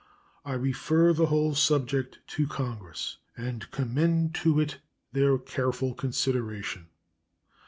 I refer the whole subject to Congress and commend it to their careful consideration.